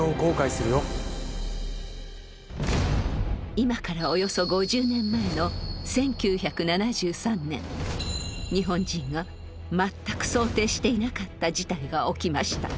今からおよそ５０年前の日本人が全く想定していなかった事態が起きました。